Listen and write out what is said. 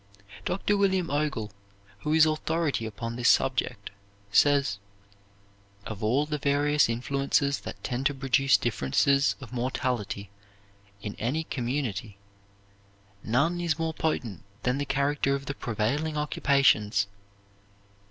Dr. William Ogle, who is authority upon this subject, says, "Of all the various influences that tend to produce differences of mortality in any community, none is more potent than the character of the prevailing occupations."